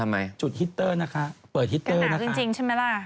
ฮิตเตอร์นะคะเปิดฮิตเตอร์นะคะ